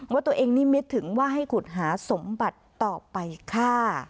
ว่าตัวเองนิมิตถึงว่าให้ขุดหาสมบัติต่อไปค่ะ